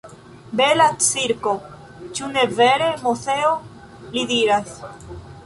Bela cirko, ĉu ne vere, Moseo? li diras.